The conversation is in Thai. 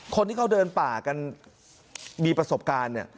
คนที่เขาเดินป่ากันมีประสบการณ์เนี่ย